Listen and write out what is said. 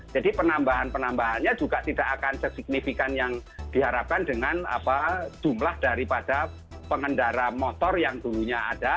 jadi penambahan penambahannya juga tidak akan sesignifikan yang diharapkan dengan jumlah daripada pengendara motor yang dulunya ada